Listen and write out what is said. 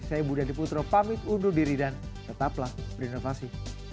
saya budha diputro pamit undur diri dan tetaplah berinovasi